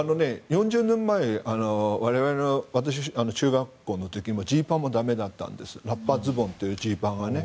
４０年前我々が中学校の時はジーパンも駄目だったんですラッパズボンというジーパン。